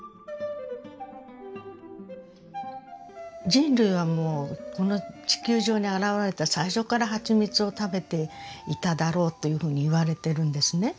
人類はもうこの地球上に現れた最初からはちみつを食べていただろうというふうに言われてるんですね。